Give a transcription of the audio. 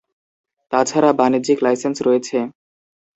তাছাড়া, বাণিজ্যিক লাইসেন্স রয়েছে।